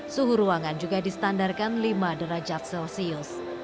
suhu ruangan juga distandarkan lima derajat celcius